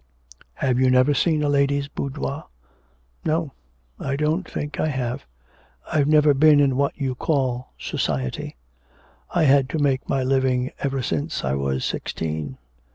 'Have you never seen a lady's boudoir?' 'No; I don't think I have. I've never been in what you call society. I had to make my living ever since I was sixteen.